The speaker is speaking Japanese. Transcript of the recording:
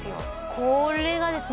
これがですね